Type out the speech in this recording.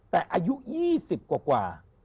แต่อายุ๒๐กว่า